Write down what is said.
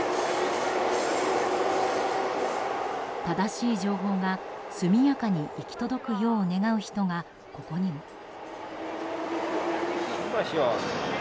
正しい情報が速やかに行き届くように願う人がここにも。